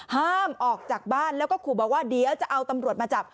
ห้ามออกจากบ้านแล้วก็ขู่บอกว่าเดี๋ยวจะเอาตำรวจมาจับ